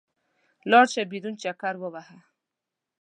لاړ شه، بېرون چکر ووهه.